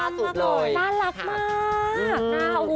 น่ารักมาก